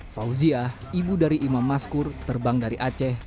fauziah ibu dari imam maskur terbang dari aceh